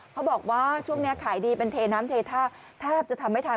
เขาบอกว่าช่วงนี้ขายดีเป็นเทน้ำเทท่าแทบจะทำไม่ทัน